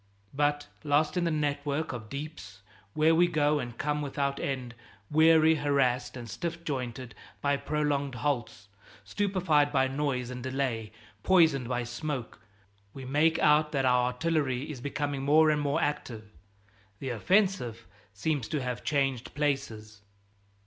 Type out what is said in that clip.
But, lost in the network of deeps where we go and come without end, weary, harassed and stiff jointed by prolonged halts, stupefied by noise and delay, poisoned by smoke, we make out that our artillery is becoming more and more active; the offensive seems to have changed places.